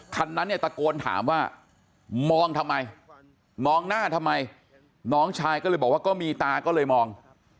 คันนั้นเนี่ยตะโกนถามว่ามองทำไมมองหน้าทำไมน้องชายก็เลยบอกว่าก็มีตาก็เลยมอง